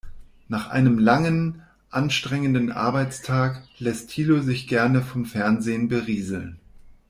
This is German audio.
Nach einem langen, anstrengenden Arbeitstag lässt Thilo sich gerne vom Fernsehen berieseln.